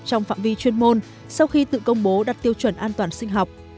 trong phạm vi chuyên môn sau khi tự công bố đặt tiêu chuẩn an toàn sinh học